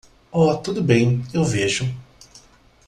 Oh, tudo bem, eu vejo.